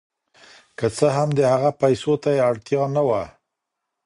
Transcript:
که څه هم د هغه پیسو ته یې اړتیا نه وه.